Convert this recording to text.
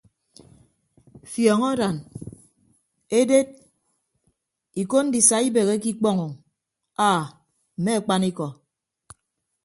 Fiọñ aran eded iko ndisa ibeheke ikpọño aa mme akpanikọ.